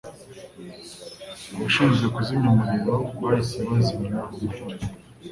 Abashinzwe kuzimya umuriro bahise bazimya umuriro.